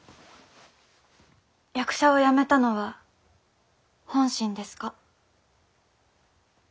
役者をやめたのは本心ですか？